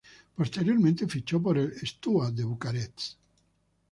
Posteriormente fichó por el Steaua de Bucarest.